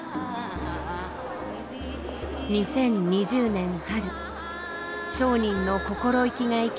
２０２０年春商人の心意気が生きる